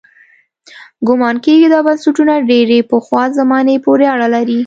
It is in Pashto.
ګومان کېږي دا بنسټونه ډېرې پخوا زمانې پورې اړه لري.